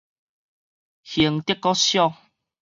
興德國小